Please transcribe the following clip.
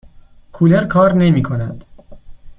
کولر کار نمی کند.